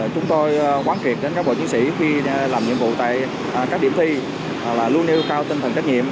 chúng tôi quán triệt đến các bộ chiến sĩ khi làm nhiệm vụ tại các điểm thi là luôn nêu cao tinh thần trách nhiệm